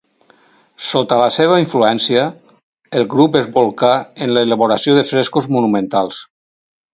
Sota la seva influència, el grup es bolca en l'elaboració de frescos monumentals.